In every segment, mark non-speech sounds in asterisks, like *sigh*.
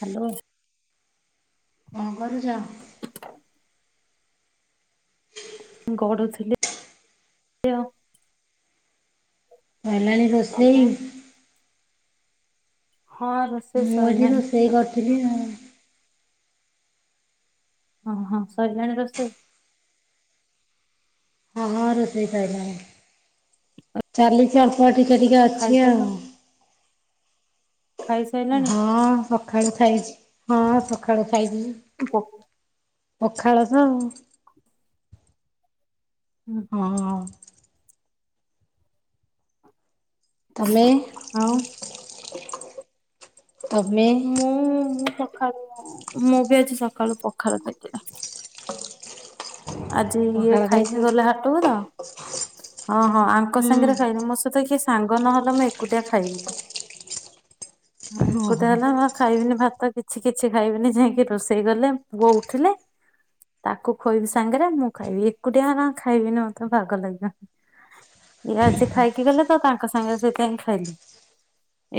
Hello. କଣ କରୁଚ? ଗଡୁଥିଲି ଆଉ ସଇଲାଣି ତମେ ରୋସେଇ? ହଁ ରୋଷେଇ ମୁଁ ଏଠି ସରିଲାଣି ରୋଷେଇ କରିଥିଲି ଆଉ। ଅହଁ ସରିିଲାଣି ରୋଷେଇ ହଁ ହଁ ରୋଷେଇ ସଇଲାଣି। ଚାଲିଚ ଅଳ୍ପ ଟିକେ ଟିକେ ଅଛି ଆଉ। ଖାଇସାରିଲ ଖାଇସାରିଲାଣି ହଁ ସଖାଳୁ ଖାଇଚି ହଁ ସଖାଳୁ ଖାଇଦି ପ- ପଖାଳ ତ ହୁଁ, ହଁ। ତମେ ଆଉ ତମେ ମୁଁ ସକାଳୁ ମୁଁ ବି ଆଜି ସକାଳୁ ପଖର ଦେଇଥିଲି। ଆଜି ଇଏ ପଖାଳ ଖାଇଛ? ଖାଇକି ଗଲେ ହାଟକୁ ତ ହଁ ହଁ ଆଙ୍କ ହୁଁ ସାଙ୍ଗରେ ଖାଇଲିି ମୋ ସହିତ କିଏ ସାଙ୍ଗ ନହେଲେ ମୁଁ ଏକୁଟିଆ ଖାଇବିନି ହଁ ଏକୁଟିଆ ହଁ। ହେଲା ମୁ ଖାଇବିନି ଭାତ ତ କିଛି କିଛି ଖାଇବିନି ଯାଇକି ରୋଷେଇ ଗଲେ ପୁଅ ଉଠିଲେ ତାକୁ ଖୋଇବି ସାଙ୍ଗରେ ମୁଁ ଖାଇବି ଏକୁଟିଆ ହଲା ଖାଇବିନି ମତେ ବାଗ ଲାଗ ଇଏ ଆଜି ଖାଇକି ଗଲେ ତ ତାଙ୍କ ସାଙ୍ଗରେ ସେଇଥିାଇଁ ଖାଇଲି।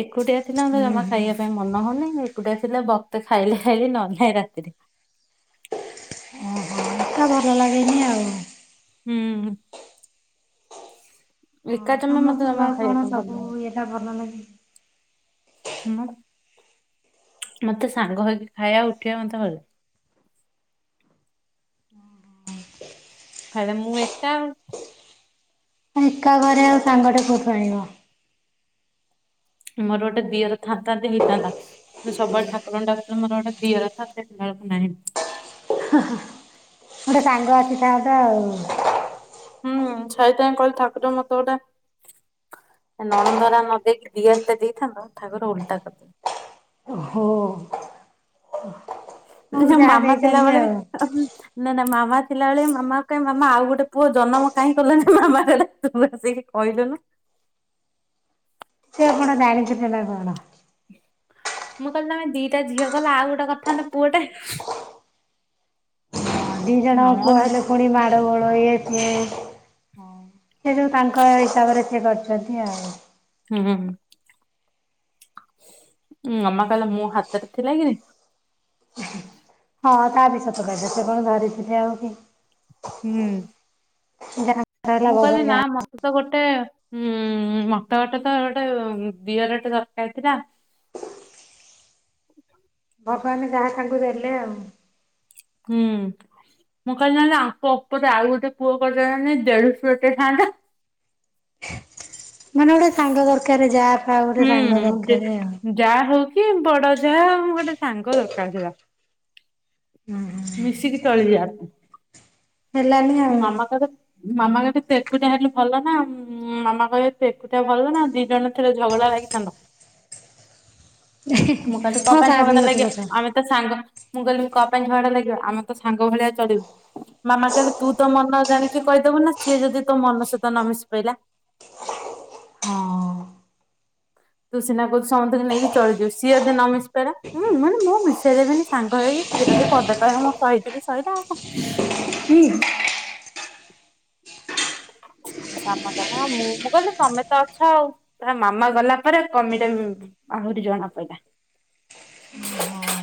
ଏକୁଟିଆ ଥିଲା ହୁଁ ଜମା ଖାଇବା ପାଇଁ ମନ ହଉନି ଏକୁଟିଆ ଥିଲା ଭକ୍ତ ଖାଇଲେ ଖାଇଲି ନ ହେଲେ ନାହିଁ ରା ଓହୋ। ଭଲ ଲାଗେନି ଆଉ। ହୁଁ। ହଁ ଲିକା ଚମ ମତେ ସମସ୍ତଙ୍କୁ ଜମା ଆଉ ଖାଇବା କଣ ପାଇଁ ଭଲ ସବୁ ଏଇଟା ଭଲ ନା କି ହୁଁ। ମତେ ସାଙ୍ଗ ହେଇକି ଖାଇବା ଉଠିବା ମତେ ଭଲ। ଘରେ ମୁ ଏକା ଆଉ। ଏକା ଘରେ ଆଉ ସାଙ୍ଗଟେ କୋଉଠୁ ଆଣିବ? ମୋର ଗୋଟେ ଦିଅର ଥାନ୍ତା ଯଦି ହେଇଥାନ୍ତା। ମୁଁ ସବୁବେଳେ ଠାକୁରଙ୍କୁ ଡାକୁଚି ମୋର ଗୋଟେ ଦିଅର ଥାନ୍ତା। ନାହିଁ, ଗୋଟେ ସାଙ୍ଗ ଆସିଥାନ୍ତା ଆଉ। ହୁଁ ଛାଇଥା କହିଲ ଠାକୁରଙ୍କୁ ମତେ ଗୋଟେ ନଣନ୍ଦରା ନଦେଇକି ଦିଆର ଟେ ଦେଇଥାନ୍ତ ଠାକୁର ଓଲଟା କରିଦେଲେ। ଓହୋ। ହଉ ନାହ୍ ଯାହା ମାମା ଦେଇଛନ୍ତି ଥିଲାବେଳେ ବି ଆଉ ଆ ହୁଁ ନା ନା। ମାମା ଥିଲାବେଳେ ମାମା କୁ ମାମା ଆଉ ଗୋଟେ ପୁଅ ଜନ୍ମ କାହିଁ କଲନି? ମାମା କହିଲେ ତୁ ବସିକି କହିଦେଲୁନି। ସେ ଆଉ କଣ ଜାଣିଛନ୍ତି ନା କଣ? ମୁଁ କହିଲି ତମେ ଦିଟା ଝିଅ କଲ ଆଉ ଗୋଟେ କରିଥାନ୍ତ ପୁଅ ଗୋଟେ ଦିଜଣ ପୁଅ ହେଲେ ପୁଣି ମାଡ ଗୋଳ ଇଏ ସେ ସେ ଯଉ ତାଙ୍କ ହିସାବରେ ସେ କରିଛନ୍ତି ଆଉ। ହୁଁ। ମାମା କହିଲା ମୋ ହାତରେ ଥିଲା କିି? ହଁ ତା ବି ସତ କଥା ସେ କଣ ଧରିଥିଲେ ଆଉ କି ହୁଁ, ଯାହା ହେଲା ମୁଁ କହିଲି ଭଗବାନ ନା ଯାହା ମତେ ତ ଗୋଟେ ଉଁ ଉଁ ମତେ ଗୋଟେ ତ ଗୋଟେ ଦିଅରଟେ ଦରକାର ଥିଲା। ଭଗବାନ ଯାହା ତାଙ୍କୁ ଦେଲେ ଆଉ। ହୁଁ, ମୁଁ କହିଲି ନହେଲେ ଆଙ୍କ ଉପରେ ଆଉ ଗୋଟେ ପୁଅ କରିଦେଲନି ଦେଢଶୁର ଟେ ଥାଆନ୍ତା। ମାନେ ଗୋଟେ ସାଙ୍ଗ ଦରକାର ଯା। ହୁଁ ଯା ହଉ କି ବଡ ଯା ଗୋଟେ ସାଙ୍ଗ ଦରକାର। *inaudible* ମିଶିକି ଚଳିଯା। ହେଲାନି ଆଉ ମାମା କହିବେ ମାମା କେନ୍ତି ତୁ ଏକୁଟିଆ ହେଲୁ - ଭଲ ନା ଉମ ମାମା କହିଲେ ତୁ ଏକୁଟିଆ ଭଲ ନା ଦିଜଣ ଥିଲେ ଝଗଡା ଲାଗିଥାନ୍ତ। ମୁଁ କହିଲି କଁ ହଁ ପାଇଁ ତା ବି ଝଗଡ଼ା ଗୋଟେ ଲାଗିବ କଥା ଆମେ ତ ସାଙ୍ଗ ମୁଁ କହିଲି କଁପାଇଁ ଝଗଡା ଲାଗିବା। ଆମେ ତ ସାଙ୍ଗ ଭଳିଆ ଚଳିବୁ ମାମା କହିଲେ, ତୁ ତ ମନ ଜାଣିକି କହି - ଦେଖୁନ ସିଏ ଯଦି ତୋ ମନ ସହିତ ନ ମିଶି ପାରିଲା? ହଁ ଅଁ ଅ ତୁ ସିନା ବୁଝୁଚୁ ସମନ୍ତିକୁ ନେଇ ଚଳିଯିବୁ, ସିଏ ଯଦି ନ ମିଶି ପାଇଲା ହୁଁ ମାନେ ମୁଁ ମିଶାଇଦେବିନି ସାଙ୍ଗ ହେଇକି? ସେ ଯଦି ପଦେ କହିବ ମୁଁ ସହି ଯିବି ସଇଲା ଆଉ କଣ। ହୁଁ। ମାମା କଥାମୂଁ ମୁଁ କହିଲି ତମେ ତ ଅଛ ଆଉ, ମାମା ଗଲା ପରେ କମିଟା ମିଳୁନି ପୂରି ଜଣା ପଇଲା। ହଁ,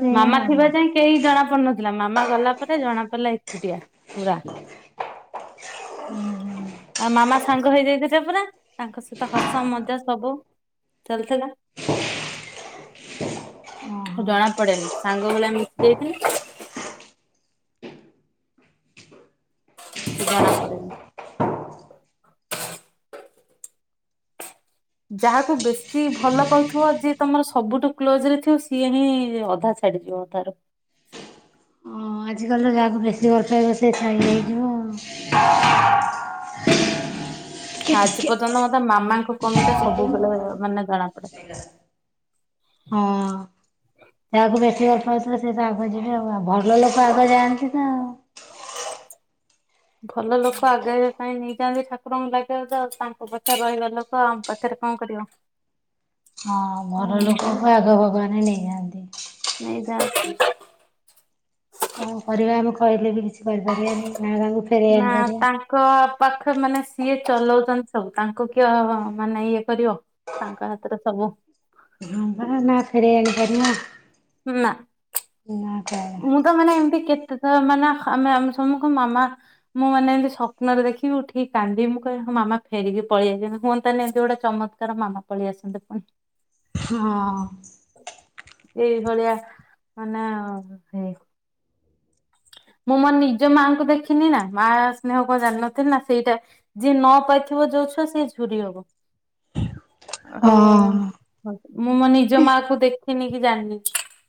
ସେଇଆ ମାମା ଆଉ ଥିବା ଯାଇ କେହି ଜଣା ପଡୁନଥିଲା, ମାମା ଗଲା ପରେ ଜଣା ପଡିଲା ଏକୁଟିଆ ପୁରା। *inaudible* ଆଉ ମାମା ସାଙ୍ଗ ହେଇଯାଇଥିଲେ ପୁରା ତାଙ୍କ ସହିତ ହସ ମଜା ସବୁ ଚାଲିଥିଲା। ଓହୋ ଜଣା ପଡେନି ସାଙ୍ଗ ଭଳିଆ ମିଶିଯାଇଚି। ଜଣାପଡେନି। ଯାହାକୁ ବେଶୀ ଭଲ ପାଉଥିବ ଯିଏ ତମର ସବୁଠୁ କ୍ଲୋଜ ରେ ଥିବ ସିଏ ହିଁ ଅଧା ଛାଡି ଯିବ ତାର। ହଁ ଆଜିକାଲିତ ଯାହାକୁ ବେଶୀ ଭଲ ପାଇବ ସେ ଛାଇ ହେଇଯିବ ଆଉ। ଆଜି ପର୍ଯ୍ୟନ୍ତ ମତେ ମାମାଙ୍କ କମି ଟା ସବୁବେଳେ ମାନେ ଜଣା ପଡେ। ହଁ ଯାହାକୁ ବେଶୀ ଭଲ ପାଉଥିବ ସେ ତ ଆଗୁଆ ଯିବେ ଆଉ ଭଲ ଲୋକ ଆଗ ଯାଆନ୍ତି ତ ଆଉ। ଭଲ ଲୋକ ଆଗେ କାଇଁ ନେଇଯାଆନ୍ତି ଠାକୁରଙ୍କୁ ଲାଗିବା ତାଙ୍କ ପାଖରେ ରହିବା ଲୋକ ଆମ ପାଖରେ କଣ କରିବ। ହଁ ଭଲ ଲୋକକୁ ଆଗ ଭଗବାନେ ନେଇଯାଆନ୍ତି। *unintelligible* କଣ କରିବା ଆମେ କହିଲେ ବି କିଛି କରିପାରିବାନି। ମା ବାପାଙ୍କୁ ଫେରେଇ ଆଣିପାରିବା। ପାଖର ମାନେ ସିଏ ଚଲଉଚନ୍ତି ସବୁ। ତାଙ୍କୁ କିଏ ଅ, ମାନେ ଇଏ କରିବ। ତାଙ୍କ ହାତରେ ସବୁ। ହଁ ପରା ନା ଫେରେଇ‌ଆଣି ପାରିବା। ନା ମୁଁ ତ ମାନେ ଏମିତି କେତେ ତ ମାନେ ଆମେ ଆମେ ସମୁଙ୍କୁ ମାମା ମୁଁ ମାନେ ଏମିତି ସ୍ୱପ୍ନରେ ଦେଖିବି ଉଠିକି କାନ୍ଦିମି ମୁଁ କହେ ହଁ ମା ମାମା ଫେରିକି ପଳେଇଆସନ୍ତି ହୁଅନ୍ତାନି ଏମତି ଗୋଟେ ଚମତ୍କାର ମାମା ପଳେଇଆସନ୍ତେ ପୁଣି। ହଁ। ଏଇଭଳିଆ ମାନେ ହେଇ *unintelligible* ମୁଁ ମୋ ନିଜ ମାଙ୍କୁ ଦେଖିନି ନା। ମା ସ୍ନେହ କଣ ଜାଣିନଥିନି ନା। ସେଇଟା ଯିଏ ନ ପାଇଥିବ ଯୋଉ ଯୋଉ ଛୁଆ ସେ ଝୁୁରି ହବ। ଆଉ ହଁ। ହଁ ମୁଁ ମୋ ନିଜ ମା କୁ ଦେ ଖୀନି କି ଜାଣିନି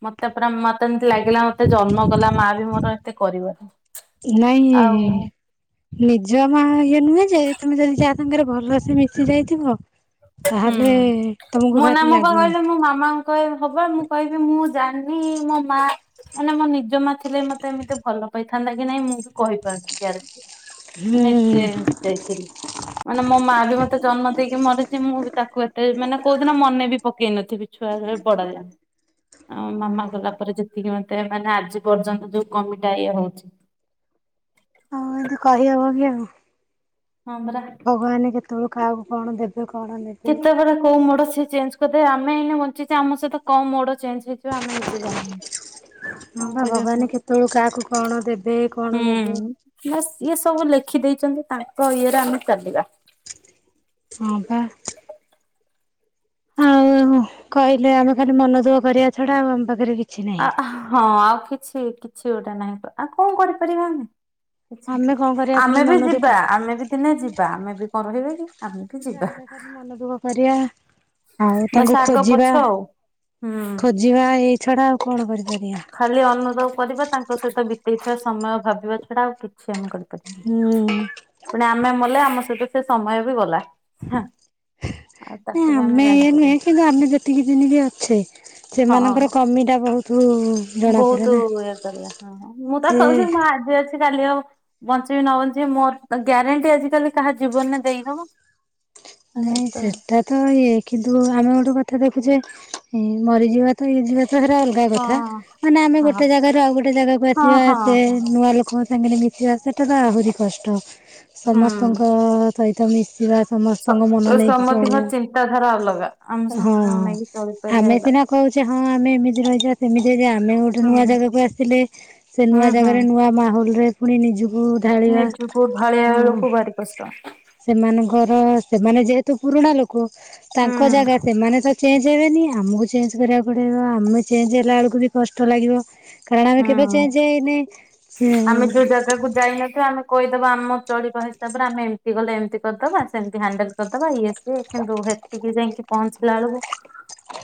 ମୋତେ ପୁରା ମୋତେ ଏମିତି ଲାଗିଲା ମୋତେ ଜନ୍ମ କଲା ମା ବି ମ ନାହିଁ ଆଉ ନିଜ ମା ହେନେ ଯେ ତୋମେ ଯଦି ଯାହା ସାଙ୍ଗରେ ଭଲସେ ମିଶି ଯାଇଥିବ ହୁଁ, ତାହେଲେ ତମକୁ ମୁଁ ନା ଭାରି ମୁଁ ପା ଲାଗିବ। କହିଲି ମୋ ମାମାଙ୍କୁ କହିବେ ହବା ମୁଁ କହିବି ମୁଁ ଜାଣିନି ମୋ ମା ମାନେ ମୋ ନିଜ ମା ଥିଲେ ମୋତେ ଏମିତି ଭଲ ପାଇ ଥାନ୍ତା କି ନାଇଁ ମୁଁ ବି କହିପାରୁନି ଗ୍ୟାରେଣ୍ଟି ମାନେ ଏତେ ହୁଁ ପାଇଥିଲି ମାନେ ମୋ ମା ବି ମୋତେ ଜନ୍ମ ଦେଇକି ମରି ମୁଁ ବି ତାକୁ ଏତେ ମାନେ କୋଉ ଦିନ ମନେ ବି ପକେଇ ନଥିବି। ଛୁଆବେଳେ ବଡ ଯା ଆଉ ମାମା ଗଲା ପରେ ଯେତିକି ମୋତ ତେ ମାନେ ଆଜି ପର୍ଯ୍ୟନ୍ତ ଯୋଉ କମିଟା ଇଏ ହଉଛି। ହଁ ଏମତି କହି ହବକି ଆଉ। ହଁ ପରା ଭଗବାନ କେତେବେଳୁ କାହାକୁ କଣ ଦେବ କେତେବେଳେ କୋଉ ମୋଡ ସେ ଚେଞ୍ଜ କରିଦେବେ। ଆମେ ଏଇନେ ବଞ୍ଚିଚେ‌, ଆମ ସହିତ କଣ ମୋଡ ଚେଞ୍ଜ ହେଇଯିବ ଆମେ ନିଜେ ଜାଣିନାହାନ୍ତି। ହଁ କଣ ପା କରିବା ଆଉ ଭଗବାନ କେତେବେଳୁ କାହାକୁ କଣ ଦେବେ କଣ ନେବେ। ହୁଁ। ବାସ୍ ଇଏ ସବୁ ଲେଖି ଦେଇଚନ୍ତି ତାଙ୍କ ଇଏରେ ଆମେ ଚାଲିବା। ହଁ ପା। ଆଉ କହିଲେ ଆମେ ଖାଲି ମନ ଦୁଃଖ କରିବା ଛଡା ଆଉ ଆମ ପାଖରେ କି ଆ, ହଁ ଆଉ କିଛି କିଛି ଗୋଟେ ନାହିଁ। ତ ଆଉ କଣ କରିପାରିବା ଆମେ। କିଛି ଆମେ କଣ କରିବା ଖାଲି ଆମେ ବି ମନ ଦୁଃଖ ଯିବା ଆମେ ବି ଦିନେ ଯିବା ଆମେ ବି କଣ ରହିବା କି। ଆମେ ବି ଯିବା। ଯାହେଲେ ଖାଲି ମନ ଦୁଃଖ କରିବା। ଆଉ ବାସ୍ ତାଙ୍କୁ ଆଗ ପଛ ଖୋଜିବା, ଆଉ। ଖୋଜିବା ଏଇ ଛଡା ଆଉ କଣ କରିବ। ଖାଲି ଅନୁଭବ କରିବା ତାଙ୍କ ସହିତ ବିତେଇଥିବା ସମୟ ଭାବିବା ଛଡା ଆଉ କିଛି ଆମେ କରି *unintelligible* ହୁଁ ପୁଣି ଆମେ ମଲେ ଆମ ସହିତ ସେ ସମୟ ବି ଗଲା। ଆଉ ନା ତାକୁ ବି ଆମେ ଇଏ ଜାଣିପାରିବା ନୁହେଁ କିନ୍ତୁ ଆମେ ଯେତିକି ଦିନି ଯା ଅଛେ ସେମାନଙ୍କର ହଁ କମିଟା ବହୁଥୁ ବହୁତ ଇଏ କରିବା ହଁ ମୁଁ ତ କହୁଚି ସେ ମୁଁ ଆଜି ଅଛ କାଲି ଆଉ ବଞ୍ଚିବି ନ ବଞ୍ଚିବି ମୋର ଗ୍ୟାରେଣ୍ଟି ଆଜିିକାଲି କାହା ଜୀବନରେ ଦେଇହବ। ହ ନାଇଁ ସେଟା ତ ଇଏ କିନ୍ତୁ ଆମେ ଗୋ ତ କଥା ଦେଖୁଛେ ଏ, ମରିଯିବା ତ ଇଏ ଝିଅ ସେଉରା ଅଲଗା ହଁ କଥ, ମାନେ ଆମେ ହଁ ଗୋଟେ ଜାଗାରୁ ଆଉ ଗୋଟେ ଜାଗାକୁ ହଁ ଆସିବା। ହଁ ସେ ହଁ ନୂଆ ଲୋକ ସାଙ୍ଗରେ ମିଶିବା ସେଟା ତ ଆହୁରି କଷ୍ଟ। ହୁଁ। ସମସ୍ତଙ୍କ ସହିତ ମିଶିବା, ସମ ସ୍ତଙ୍କ ମନ ନେଇକି ସମସ୍ତଙ୍କ ଚଳିବ, ଚିନ୍ତାଧାରା ଅଲଗା ଆମେ ଏ ହଁ ସମସ୍ତଙ୍କୁ ନେଇକି ଚଳିପାରିଲେ ଆମେ ହେଲା। ସିନା କହୁଚେ ହଁ ହଁ ଆମେ ଏମିତି ରହିଯିବା। ସେମିତି ଏରିଆ, ଆମେ ଗୋଟେ ହୁଁ ନୂଆ ଜାଗାକୁ ଆସିଲେ। ସେ ନୂଆ ହୁଁ ହୁଁ। ଜାଗାରେ ନୂଆ ମାହୋଲ ରେ ପୁଣି ନିଜ କୁ ଢାଳିବା ନିଜକୁ ଢାଳିଆ ଅ ବେଳକୁ ଭାରି କଷ୍ଟ ସେମାନଙ୍କର ମାନେ ଯେହେତୁ ପୁରୁଣା ଲୋକ ହୁଁ ତାଙ୍କ ଜାଗା ସେ ମାନେ ତ ଚେଞ୍ଜ ହେବେନି ଆମକୁ ଚେଞ୍ଜ କରିବାକୁ ପଡିବ। ଆମେ ଚେଞ୍ଜ ହେଲା ବେଳକୁ ବି କଷ୍ଟ ଲାଗିବ। କାରଣ ଆମେ କେବେ ହୁଁ। ଚେଞ୍ଜ ହେଇନି ସେ ତ ଆମ ଚଳିବା ହିସାବରେ ଆମେ ଏମିତି ଗଲେ ଏମିତି କରିଦବା ସେମିତି ହ୍ୟାଣ୍ଡଲ କରିଦବା ଇଏ ସେ କିନ୍ତୁ ହେତିକି ଯାଇକି ପହଞ୍ଚିଲା ବେଳକୁ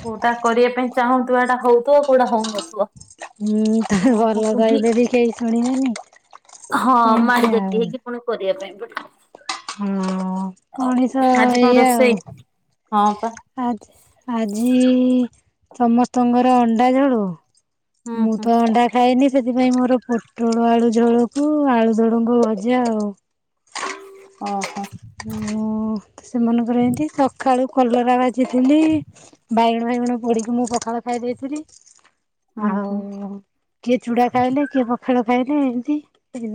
କୋଉଟା କରିବା ପାଇଁ ଚାହୁଁଥିବା ଏଟା ହଉଥିବ କୋଉଟା ହଉନଥିବ। ହୁଁ ତମେ ପୁଣି ଭଲ ଆମକୁ ହିଁ କହିଲେ ବି କେହି ଶୁଣିବେନି। ହଁ ଏମିତି ମାଡି ଆଉ ଦେଖି ହେଇକି ପୁଣି କରିବା ପାଇଁ ପଡ଼ିବ। ହଁ ମଣିଶ ଆଜି କଣ ଏୟା ରୋଷେଇ? ଆଉ। ହଁ ପା ଆଜି ଆଜି ସମସ୍ତଙ୍କର ଅଣ୍ଡା ଝଳୁ ହୁଁ ମୁଁ ହୁଁ ତ ଅଣ୍ଡା ଖାଇନି। ସେଥିପାଇଁ ମୋର ପୋଟଳ ଆଳୁ ଝୋଳକୁ ଆଳୁ ଝୁଡୁଙ୍ଗ ଭଜା ଆଉ। ଓହୋ। ଓ ସେମାନଙ୍କର ଏମିତି ସକାଳୁ କଲରା ବାଜିଥିଲି ବାଇଗ ବାଇଗୁଣ ପୋଡିକି ମୁଁ ପଖାଳ ଖାଇ ଦେଇଥିଲି। ହୁଁ ହୁଁ ଆଉ କିଏ ଚୁଡା ଖାଇଲେ କିଏ ପଖେଳ ଖାଇଲେ ଏମତି।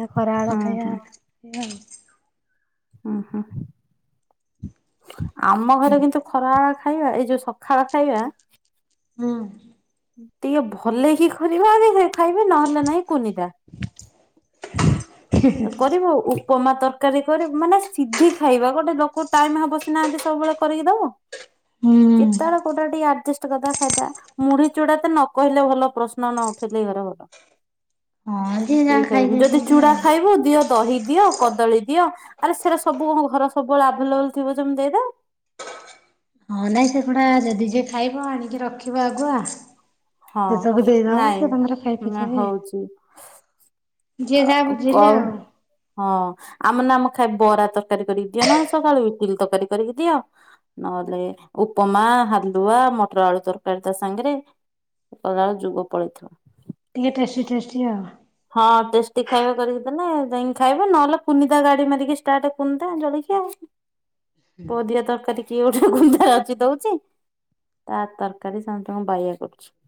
ନା ଖରା ବେଳ ହୁଁ ଖାଇବା ହୁଁ। ଏ ଆଉ। ହୁଁ ହୁଁ ଆମ ଘରେ କିନ୍ତୁ ଖରା ଏଳ ଖା ଖାଇବା ଏଇ ଯୋଉ ସଖାଳ ଖାଇବା ହୁଁ। ଟିକେ ଭଲ କି କରିବ ଆ ଖାଇବି ନହେଲେ ନାହିଁ କୁନିଦା କରିବ ଉପମା ତରକାରୀ କର ମାନେ ସିଧି ଖାଇବା ଗୋଟେ ଲୋକ କଉ ଟାଇମ ହବ ସିନାହାନ୍ତି ସବୁବେଳେ କରିକି ଦବ? ହୁଁ କେତେବେଳେ କୋଉଟା ଟିକେ ଆଡଜଷ୍ଟ କରିଦବା ଖାଇଦବା ମୁଢି ଚୁଡା ତ ନ କହିଲେ ଭଲ ପ୍ରଶ୍ନ ନ ଉଠେଇଲେ ଘରେ ଭଲ। ହଁ ଯିଏ ଯାହା କେହି ଖାଇବେନି ଯଦି ଖାଇଦେଇଛନ୍ତି ଚୁଡା ଆଉ। ଖାଇବୁ ଦିଅ ଦହି ଦିଅ କଦଳୀ ଦିଅ ଆରେ ସେଟା ସବୁ ଘର ସବୁବେଳେ ଆଭେଲେବଲ ଥିବ ଯେମତି ଦେଇଦ ହଁ ନାଇଁ ସେଗୁଡା ଯଦି ଯିଏ ଖାଇବ ଆଣିକି ରଖିବ ଆଗୁଆ। ହଁ ସେ ସବୁ ଦେଇଦବା ନାଇଁ। ସେ ତାଙ୍କର ଖାଇ ପିଇ ନା ଦେବେ। ହଉଛି ଯିଏ ଯାହା କ ବୁଝିଲେ ଆଉ ହଁ ଆମ ନାମ ଖାଇଏ ବରା। ତରକାର କରିକି ଦିଅ ନହଲେ ସକାଳୁ ଇଟିଲି ତରକାରି କରିକି ଦିଅ ନହେଲେ ଉପମା ହାଲୁଆ ଆ ମଟର ଆଳୁ ତରକାରୀ ତା ସାଙ୍ଗରେ କଳା ଏଳକୁ ଯୁଗ ପଳେଇଥିବ। ଟିକେ ଟେଷ୍ଟି ଟେଷ୍ଟି ଆଉ ହଁ ଟେଷ୍ଟି ଖାଇବା କରିକି ଦେଲେ ଯାଇ ଖାଇବେ ନହେଲେ କୁନିଦା ଗାଡି ମାରିକି କୁନିଦା ଆ ପୁଅ ଦି ଟା ତରକାରୀ କୀଏ ଗୋଟେ ଗୁନ୍ଦ୍ରା ରଚି ଦଉଛି ତା ତରକାରୀ ସମସ୍ତଙ୍କୁ ବାଈଆ କରୁଚି। *inaudible*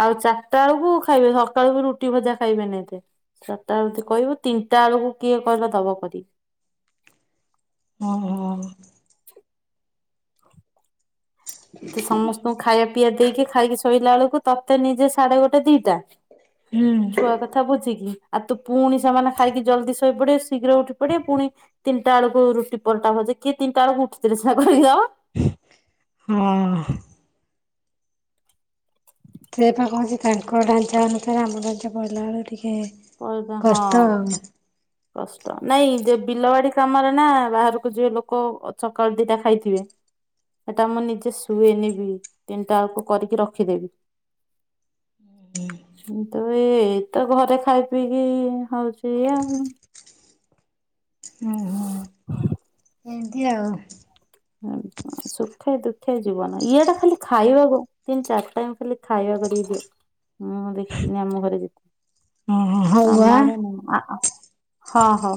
ଆଉ ଚାରିଟା ବେଳକୁ ଖାଇବେ ସକାଳବି ରୁଟି ଭଜା ଖାଇବେନି ଏତେ। ଟା ଏମିତି କହିବୁ ତିନିଟା ବେଳକୁ କିଏ କହିଲା ଦବ କରିକି? ହ ହ। ତ ସମସ୍ତଙ୍କୁ ଖାଇବା ପିଇଆ ଦେଇକି ଖାଇକି ଶୋଇଲା ବେଳକୁ ତତେ ନିଜେ ସାଢେ ଗୋଟେ ଦିଟା। ଛୁଆ ହୁଁ। କଥା ବୁଝିକି ଆଉ ତୁ ପୁଣି ସେମାନେ ଖାଇକି ଜଲଦି ଶୋଇ ପଡେ ଶୀଘ୍ର ଉଠି ପଡେ ପୁଣି ତିନିଟା ବେଳକୁ ରୁଟି ପରଟା ଭଜା କିଏ ତିନିଟା ବେଳକୁ ଉଠିଥିଲେ ସିନା କରିବ ହଁ। ସେପା କହୁଚି ତାଙ୍କ ଡାଞ୍ଚା ଅନୁସାରେ ଆମ ଡାଞ୍ଚା ପହିଲା ବେଳେ ଟିକେ ହଁ କଷ୍ଟ ଆଉ କଷ୍ଟ ନାଇଁ ଯ ବିଲବାଡି କାମରେ ନା ବାହାରକୁ ଯିବେ ଲୋକ ସକାଳୁ ଦିଟା ଖାଇଥିବେ। ସେଟା ମୁଁ ନିଜେ ଶୁଏନିବି ତିନିଟା ବଳକୁ କରିକି ରଖିଦେବି। କିନ୍ତୁ ଏଇତ ଘରେ ଖାଇ ପିଇକି ହଉଚି ଇଏ ଆଉ। ହୁଁ ହୁଁ। ଏମିତି ଆଉ। ସୁଖେ ଦୁଃଖେ ଜୀବନ ଇଆଡ଼େ ଖାଲି ଖାଇବାକୁ ତିନି ଚାରି ଟାଇମ ଖାଲି ଖାଇବା ତା କରିକି ଦେ ମୁଁ ଦେଖିଲି ଆମ ହଁ ହଉ ଆ ଆଡ଼େ ନାହିଁ ଆ-ଆ ହଁ ହଁ।